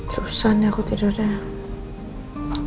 susah nih aku tidur dah